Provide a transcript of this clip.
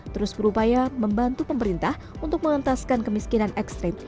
terus berupaya membantu pemerintah untuk mengentaskan kemiskinan ekstrim